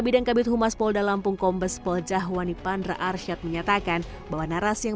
pengkabit humas polda lampung kombes pojah wani pandra arsyad menyatakan bahwa naras yang